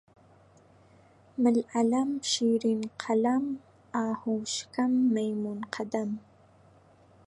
مل عەلەم، شیرین قەلەم، ئاهوو شکەم، مەیموون قەدەم